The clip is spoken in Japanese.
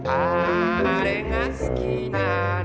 「だれがすきなの」